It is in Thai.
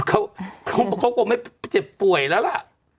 เขาคงไม่เจ็บป่วยแล้วล่ะ